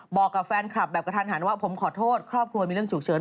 บอกกับแฟนคลับแบบกระทันหันว่าผมขอโทษครอบครัวมีเรื่องฉุกเฉิน